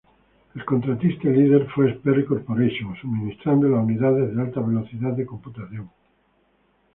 El contratista líder fue Sperry Corporation suministrando las unidades de alta velocidad de computación.